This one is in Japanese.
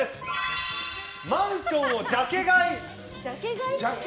マンションをジャケ買い！